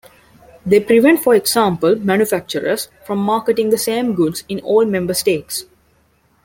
They prevent for example manufacturers from marketing the same goods in all member states.